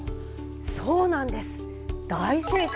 そうなんです大正解。